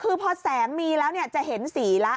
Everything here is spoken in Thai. คือพอแสงมีแล้วจะเห็นสีแล้ว